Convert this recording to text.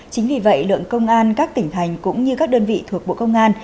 chính vì vậy lượng công an các tỉnh thành cũng như các đơn vị thuộc bộ công an